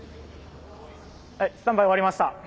スタンバイ終わりました。